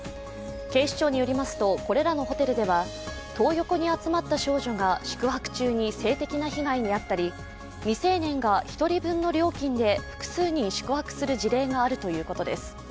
警視庁によりますとこれらのホテルではトー横に集まった少女が宿泊中に性的な被害に遭ったり、未成年が１人分の料金で複数人宿泊する事例があるということです。